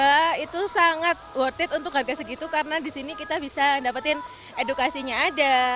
juga itu sangat worth it untuk harga segitu karena disini kita bisa mendapatkan edukasinya ada